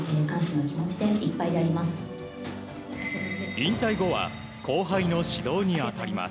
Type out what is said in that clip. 引退後は後輩の指導に当たります。